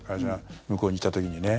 向こうにいた時にね。